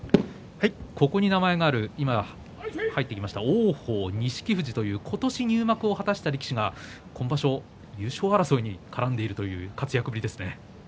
ここに名前がある王鵬、錦富士という今年、新入幕を果たした力士が今場所、優勝争いに絡んでいるという活躍ですね。